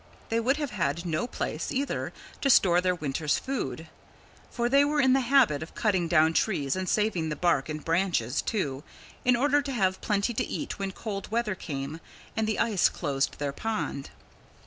They would have had no place, either, to store their winter's food. For they were in the habit of cutting down trees and saving the bark and branches too, in order to have plenty to eat when cold weather came and the ice closed their pond.